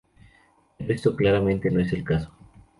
Pero esto claramente no es el caso.